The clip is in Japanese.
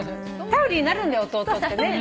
頼りになるんだよ弟ってね。